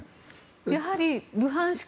やはりルハンシク